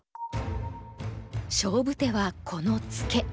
勝負手はこのツケ。